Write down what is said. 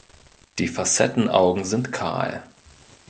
Die Facettenaugen sind kahl.